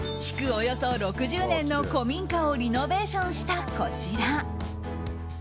およそ６０年の古民家をリノベーションした、こちら。